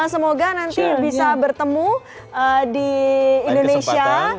semoga nanti bisa bertemu di indonesia